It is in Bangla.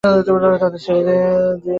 তাদের ছেড়ে দিয়েছি।